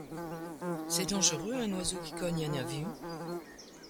C'est dangereux un oiseau qui cogne un avion ?